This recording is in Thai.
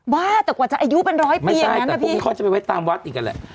บ้าแต่กว่าจะอายุเป็นร้อยปีอย่างนั้นนะพี่ไม่ใช่แต่พวกมีคนจะไปไว้ตามวัดอีกอันแหละ